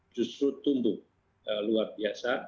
justru tumbuh luar biasa